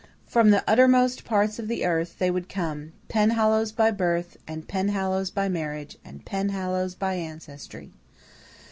From the uttermost parts of the earth they would come Penhallows by birth, and Penhallows by marriage and Penhallows by ancestry.